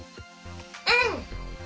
うん！